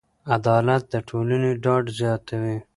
عدالت د ټولنې ډاډ زیاتوي.